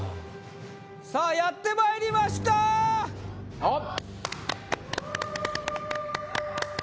さあやってまいりましたおっ！